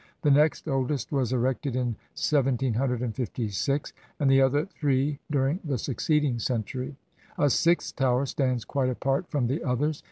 The next oldest was erected in 1756, and the other three during the succeeding cen tury. A sixth Tower stands quite apart from the others.